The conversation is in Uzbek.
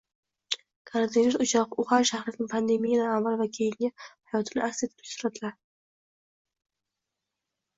Koronavirus o‘chog‘i Uxan shahrining pandemiyadan avval va keyingi hayotini aks ettiruvchi suratlar